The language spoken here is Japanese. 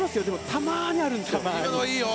たまにあるんですよ。